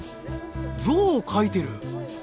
ぞうを描いてる！